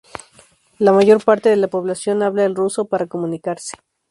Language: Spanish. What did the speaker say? La mayor parte de la población habla el ruso para comunicarse.